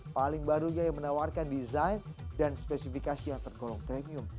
paling barunya yang menawarkan desain dan spesifikasi yang tergolong premium